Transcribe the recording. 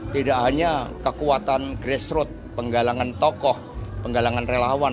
tidak hanya kekuatan grassroot penggalangan tokoh penggalangan relawan